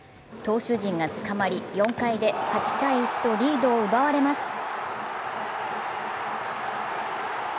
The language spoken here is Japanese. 投手陣がつかまり４回で８−１とリードを奪われます。